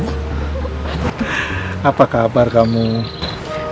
alhamdulillah baik paman